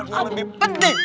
ada yang lebih penting